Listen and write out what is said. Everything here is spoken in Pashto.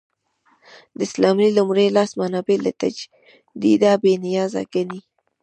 د اسلام لومړي لاس منابع له تجدیده بې نیازه ګڼي.